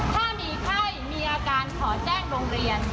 ถ้ามีไข้มีอาการขอแจ้งโรงเรียน